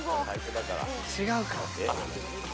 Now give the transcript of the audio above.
違うか？